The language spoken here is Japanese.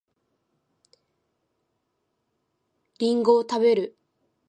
りんごを食べる